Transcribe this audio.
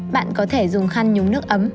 bạn có thể dùng khăn nhúng nước ấm